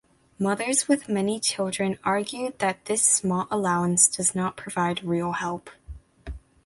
Mothers with many children argued that this small allowance does not provide real help.